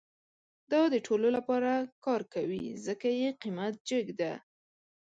دا د ټولو لپاره کار کوي، ځکه یې قیمت جیګ ده